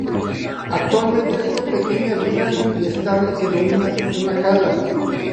Actualmente es una pequeña ruina inestable que domina una cala.